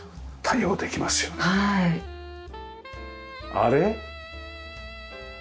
あれ？